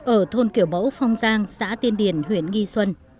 ở thôn kiểu mẫu phong giang xã tiên điển huyện nghi xuân